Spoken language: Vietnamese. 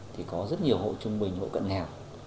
thì có rất nhiều hộ trung bình hộ cận nghèo